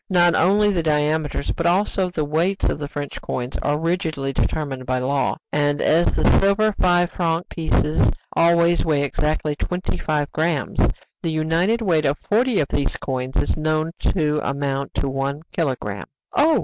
Not only the diameters, but also the weights, of the French coins are rigidly determined by law, and as the silver five franc pieces always weigh exactly twenty five grammes, the united weight of forty of these coins is known to amount to one kilogramme. "Oh!"